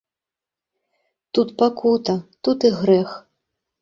Тут пакута, тут і грэх!